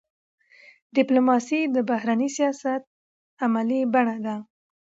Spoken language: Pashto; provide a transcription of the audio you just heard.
ډيپلوماسي د بهرني سیاست عملي بڼه ده.